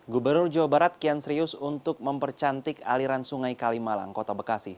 gubernur jawa barat kian serius untuk mempercantik aliran sungai kalimalang kota bekasi